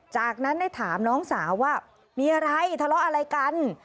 จากนั้นได้ถามน้องสาวว่ามีอะไรทะเลาะอะไรกัน